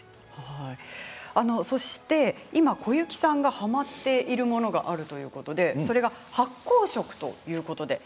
そして今、小雪さんがはまっているものがあるということでそれが発酵食ということです。